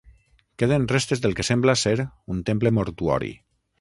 Queden restes del que sembla ser un temple mortuori.